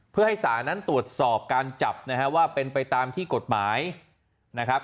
เพื่อให้ศาลนั้นตรวจสอบการจับนะฮะว่าเป็นไปตามที่กฎหมายนะครับ